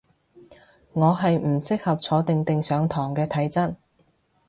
我係唔適合坐定定上堂嘅體質